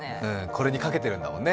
これにかけてるんだもんね。